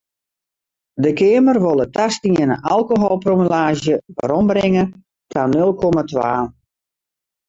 De Keamer wol it tastiene alkoholpromillaazje werombringe ta nul komma twa.